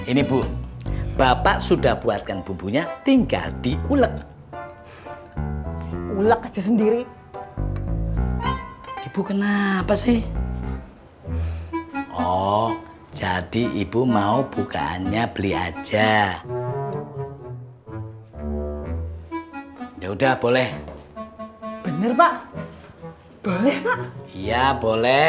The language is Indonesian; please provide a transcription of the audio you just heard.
ini bu bapak sudah buatkan bumbunya tinggal di uleg ulak aja sendiri ibu kenapa sih oh jadi ibu mau bukaannya beli aja ya udah boleh bener pak boleh pak iya boleh